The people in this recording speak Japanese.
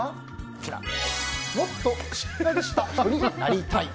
もっとしっかりした人になりたい！